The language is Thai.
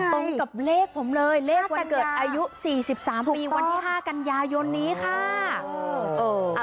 ตรงกับเลขผมเลยเลขวันเกิดอายุ๔๓ปีวันที่๕กันยายนนี้ค่ะ